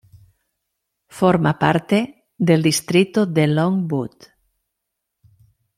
Forma parte del distrito de Longwood.